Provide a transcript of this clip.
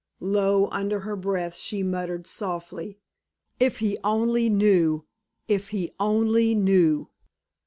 Low under her breath she muttered, softly: "If he only knew, if he only knew!